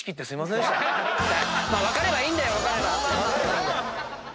分かればいいんだよ分かれば。